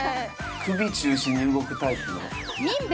首中心に動くタイプの。